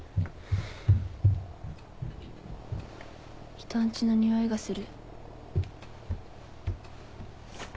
ひとん家のにおいがする。